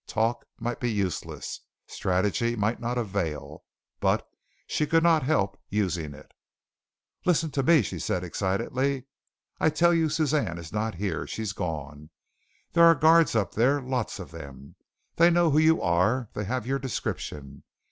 Talk might be useless. Strategy might not avail, but she could not help using it. "Listen to me," she said excitedly. "I tell you Suzanne is not here. She's gone. There are guards up there lots of them. They know who you are. They have your description.